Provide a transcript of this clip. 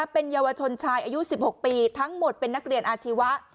เป็นเยาวชนชายอายุ๑๖ปีทั้งหมดเป็นนักเรียนอาชีวะ